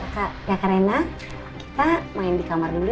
kak rena kita main di kamar dulu